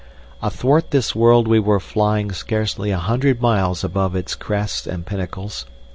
Athwart this world we were flying scarcely a hundred miles above its crests and pinnacles.